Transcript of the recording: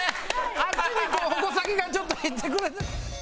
あっちに矛先がちょっと行ってくれた。